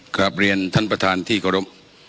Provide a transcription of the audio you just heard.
กลับเรียนท่านประธานที่เคารพ